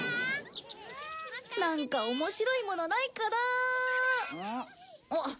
なんかおもしろいものないかなあ。